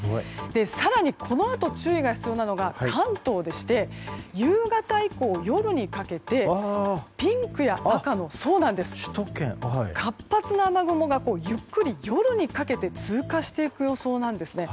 更にこのあと注意が必要なのが関東でして夕方以降、夜にかけてピンクや赤の活発な雨雲がゆっくり夜にかけて通過していく予想なんですね。